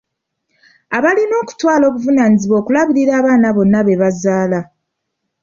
Abalina okutwala obuvunaanyizibwa okulabirira abaana bonna be bazaala.